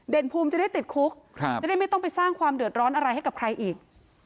ภูมิจะได้ติดคุกจะได้ไม่ต้องไปสร้างความเดือดร้อนอะไรให้กับใครอีก